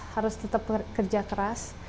harus tetap kerja keras